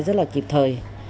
rất là kịp thời